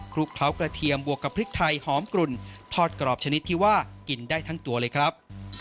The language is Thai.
ลุกเคล้ากระเทียมบวกกับพริกไทยหอมกลุ่นทอดกรอบชนิดที่ว่ากินได้ทั้งตัวเลยครับ